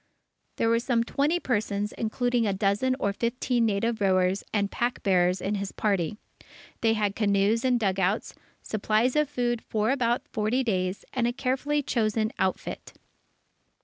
There were some twenty persons, including a dozen or fifteen native rowers and pack bearers, in his party. They had canoes and dugouts, supplies of food for about forty days, and a carefully chosen outfit.